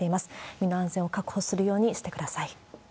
身の安全を確保するようにしてください。